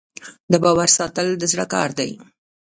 د باور ساتل د زړه کار دی.